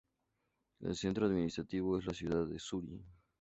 El centro administrativo es la ciudad de Suri.